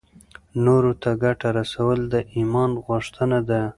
نورو ته ګټه رسول د ایمان غوښتنه ده.